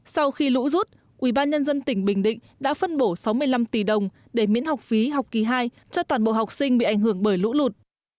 sau khi lũ rút ubnd tỉnh bình định đã phân bổ sáu mươi năm tỷ đồng để miễn học phí học kỳ hai cho toàn bộ học sinh bị ảnh hưởng bởi lũ lụt